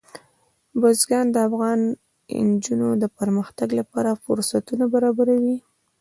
بزګان د افغان نجونو د پرمختګ لپاره فرصتونه برابروي.